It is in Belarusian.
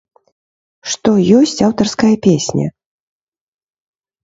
Што ёсць аўтарская песня?